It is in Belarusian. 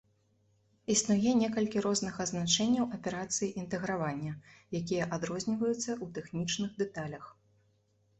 Існуе некалькі розных азначэнняў аперацыі інтэгравання, якія адрозніваюцца ў тэхнічных дэталях.